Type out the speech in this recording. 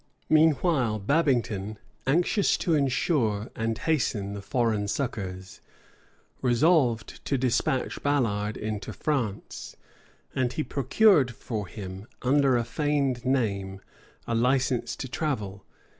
Meanwhile Babington, anxious to insure and hasten the foreign succors, resolved to despatch Ballard into France; and he procured for him, under a feigned name, a license to travel.